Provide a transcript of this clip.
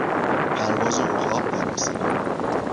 پرواز عقاب در آسمان